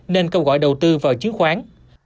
nên câu gọi đầu tư vào chứng khoán